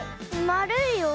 まるいよ。